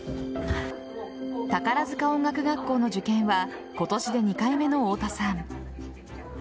宝塚音楽学校の受験は今年で２回目の太田さん。